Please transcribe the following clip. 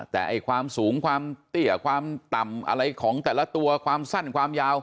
แต่ความสูงความเตี้ยความต่ำอะไรของแต่ละตัวความสั้นความยาว